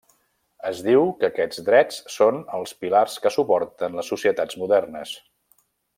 Es diu que aquests drets són els pilars que suporten les societats modernes.